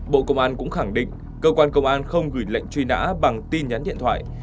bộ công an cũng khẳng định cơ quan công an không gửi lệnh truy nã bằng tin nhắn điện thoại